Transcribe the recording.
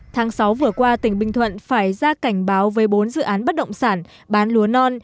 tháng sáu vừa qua tỉnh bình thuận phải ra cảnh báo với bốn dự án bất động sản bán lúa non